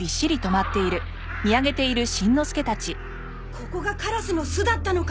ここがカラスの巣だったのか。